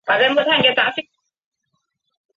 其隐于乡野的动机亦非出于非愤世嫉俗。